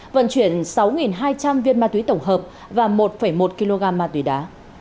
vận chuyển sáu hai trăm linh viên ma túy tổng hợp và một một kg ma túy đá